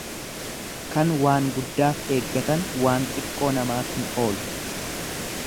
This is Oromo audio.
Kan waan guddaaf eeggatan waan xiqqoo namaaf hin oolu.